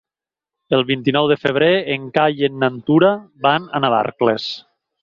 El vint-i-nou de febrer en Cai i na Tura van a Navarcles.